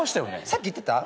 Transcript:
さっき言ってた？